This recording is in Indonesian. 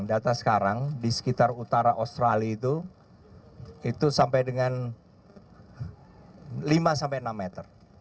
data sekarang di sekitar utara australia itu itu sampai dengan lima sampai enam meter